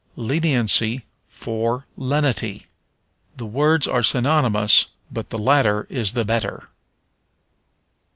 Leniency for Lenity. The words are synonymous, but the latter is the better.